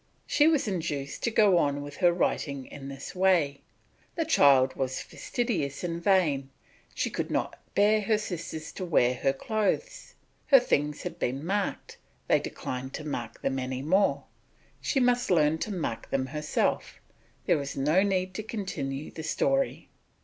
She was induced to go on with her writing in this way. The child was fastidious and vain; she could not bear her sisters to wear her clothes. Her things had been marked, they declined to mark them any more, she must learn to mark them herself; there is no need to continue the story.